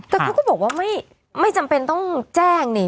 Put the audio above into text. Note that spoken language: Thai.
แต่เขาก็บอกว่าไม่จำเป็นต้องแจ้งนี่